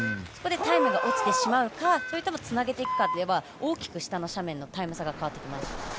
そこでタイムが落ちてしまうかそれでつなげていくかで大きく下の斜面でのタイム差が変わってきます。